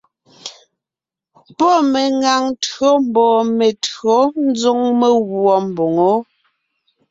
Pɔ́ meŋaŋ tÿǒ mbɔɔ me[o tÿǒ ńzoŋ meguɔ mboŋó.